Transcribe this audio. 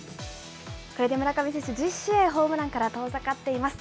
これで村上選手、１０試合ホームランから遠ざかっています。